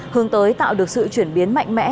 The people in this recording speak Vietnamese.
hướng tới tạo được sự chuyển biến mạnh mẽ